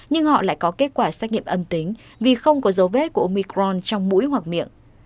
nhưng họ lại có kết quả xét nghiệm âm tính vì không có dấu vết của omicron trong mũi hoặc miệng